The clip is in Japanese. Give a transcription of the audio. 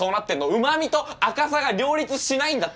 うまみと赤さが両立しないんだって。